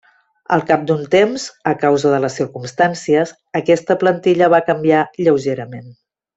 Al cap d'un temps, a causa de les circumstàncies, aquesta plantilla va canviar lleugerament.